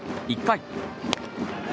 １回。